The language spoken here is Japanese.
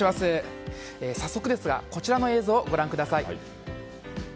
早速ですがこちらの映像をご覧ください。